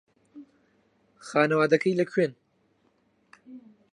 خانەوادەکەی لەکوێن؟